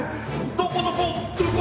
どこどこ！